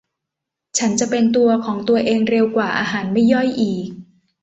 ฉันจะเป็นตัวของตัวเองเร็วกว่า อาหารไม่ย่อยอีก